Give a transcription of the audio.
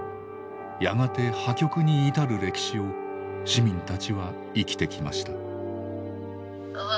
やがて破局に至る歴史を市民たちは生きてきました。